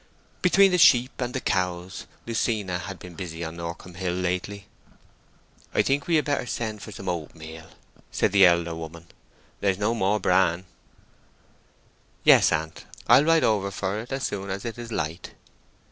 Between the sheep and the cows Lucina had been busy on Norcombe Hill lately. "I think we had better send for some oatmeal," said the elder woman; "there's no more bran." "Yes, aunt; and I'll ride over for it as soon as it is light."